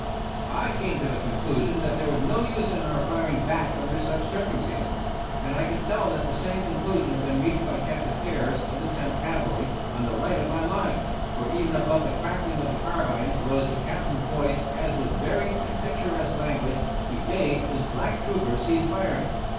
I came to the conclusion that there was no use in our firing back under such circumstances; and I could tell that the same conclusion had been reached by Captain Ayres of the Tenth Cavalry on the right of my line, for even above the cracking of the carbines rose the Captain's voice as with varied and picturesque language he bade his black troopers cease firing.